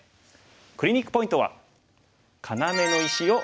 クリニックポイントは。